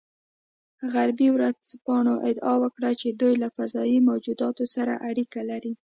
غربي ورځپاڼو ادعا وکړه چې دوی له فضايي موجوداتو سره اړیکه لري